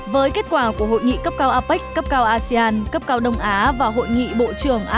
với kết quả của hội nghị cấp cao apec cấp cao asean cấp cao đông á và hội nghị bộ trưởng asean